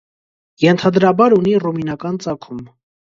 Ենթադրաբար ունի առումինական ծագում։